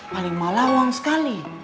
paling malah uang sekali